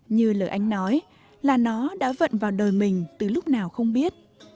như lời anh nói là nó đã vận vào đời mình từ lúc nào không biết